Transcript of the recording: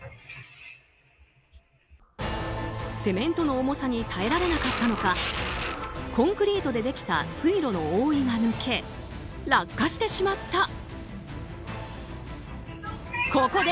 セメントの重さに耐えられなかったのかコンクリートでできた水路の覆いが抜け落下してしまった。